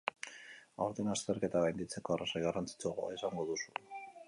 Aurten, azterketak gainditzeko arrazoi garrantzitsuagoa izango duzu.